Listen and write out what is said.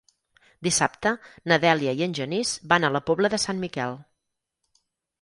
Dissabte na Dèlia i en Genís van a la Pobla de Sant Miquel.